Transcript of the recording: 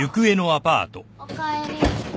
おかえり。